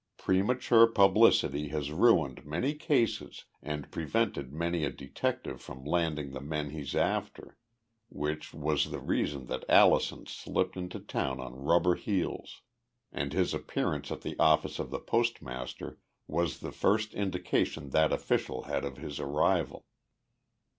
Premature publicity has ruined many cases and prevented many a detective from landing the men he's after, which was the reason that Allison slipped into town on rubber heels, and his appearance at the office of the postmaster was the first indication that official had of his arrival.